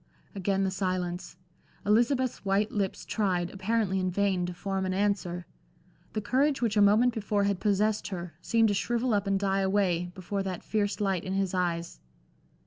Again the silence. Elizabeth's white lips tried, apparently in vain, to form an answer. The courage which a moment before had possessed her, seemed to shrivel up and die away, before that fierce light in his eyes.